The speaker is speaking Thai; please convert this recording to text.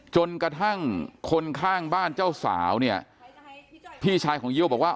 จนกระทั่งคนข้างบ้านเจ้าสาวเนี่ยพี่ชายของเยี่ยวบอกว่า